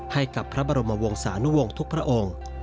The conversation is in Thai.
ให้กับพระบรมวงศานุวงศ์ทุกพระองค์